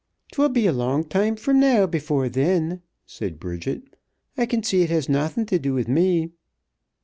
"'Twill be a long time from now before then," said Bridget. "I can see it has nawthin' to do with me."